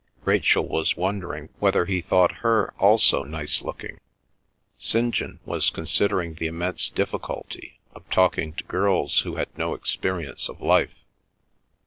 Rachel was wondering whether he thought her also nice looking; St. John was considering the immense difficulty of talking to girls who had no experience of life.